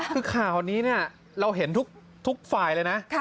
คือข่าวนี้เนี่ยเราเห็นทุกฝ่ายเลยนะ